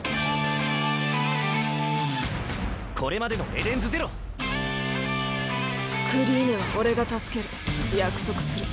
これまでの『ＥＤＥＮＳＺＥＲＯ』クリーネは俺が助ける約束する。